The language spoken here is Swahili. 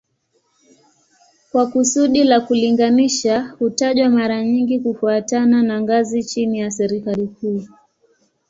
Kwa kusudi la kulinganisha hutajwa mara nyingi kufuatana na ngazi chini ya serikali kuu